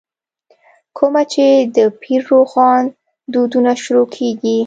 کومه چې دَپير روښان ددورنه شروع کيږې